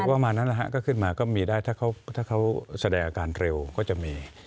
ประมาณนั้นนะฮะก็ขึ้นมาก็มีได้ถ้าเขาแสดงอาการเร็วก็จะมี